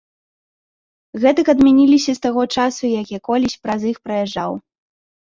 Гэтак адмяніліся з таго часу, як я колісь праз іх праязджаў.